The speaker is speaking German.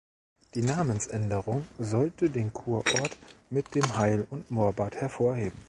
Die Namensänderung sollte den Kurort mit dem Heil- und Moorbad hervorheben.